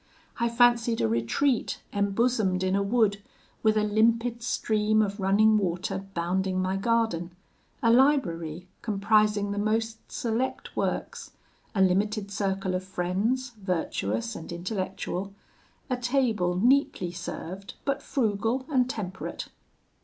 I fancied a retreat embosomed in a wood, with a limpid stream of running water bounding my garden; a library, comprising the most select works; a limited circle of friends, virtuous and intellectual; a table neatly served, but frugal and temperate.